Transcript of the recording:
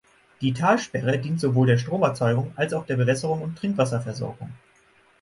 Die Talsperre dient sowohl der Stromerzeugung als auch der Bewässerung und Trinkwasserversorgung.